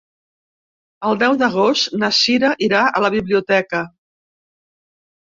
El deu d'agost na Cira irà a la biblioteca.